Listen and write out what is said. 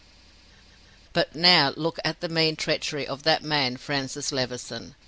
But now look at the mean treachery of that man, Francis Levison!